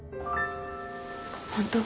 本当？